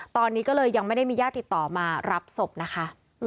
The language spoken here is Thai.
ตอนนี้ก็เลยยังไม่ได้มีญาติติดต่อมารับศพนะคะ